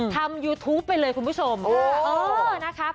ทำยูทูปไปเลยคุณผู้ชมโอ้นะคะ